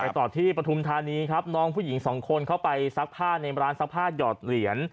ต่อที่ปฐุมธานีครับน้องผู้หญิงสองคนเข้าไปซักผ้าในร้านซักผ้าหยอดเหรียญ